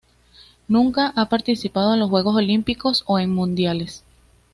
Nunca ha participado en los Juegos Olímpicos o en Mundiales.